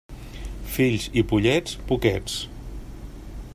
Fills i pollets, poquets.